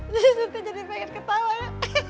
suka jadi pengen ketawa ya